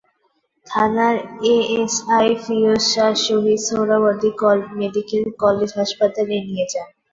থানার ASI Firoz Shah Shaheed Suhrawardy medical college হাসপাতালে নিয়ে যান।